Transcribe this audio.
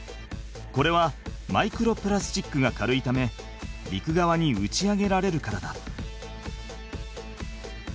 これはマイクロプラスチックが軽いため陸側に打ち上げられるからだ。